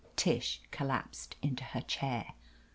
Tish collapsed into her chair.